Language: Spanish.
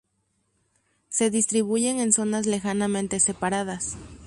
Se distribuyen en zonas lejanamente separadas.